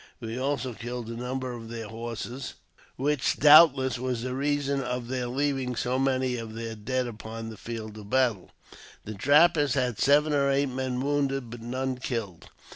We also killed a number of their horses, which doubtless was the reason of their leaving so many of their dead upon the field of battle. The trappers had seven or eight men wounded, but none killed.